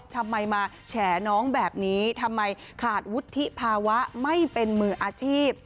ทำไมมาแฉน้องแบบนี้ทำไมขาดวุฒิภาวะไม่เป็นมืออาชีพ